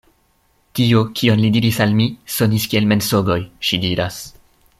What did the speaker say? Tio, kion li diris al mi, sonis kiel mensogoj, ŝi diras.